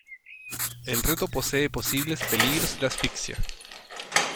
El reto posee posibles peligros de asfixia.